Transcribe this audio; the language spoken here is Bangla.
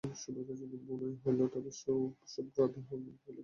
সুভদ্রা যদি বোনই হইল তবে সুভদ্রাহরণ হইল কী করিয়া।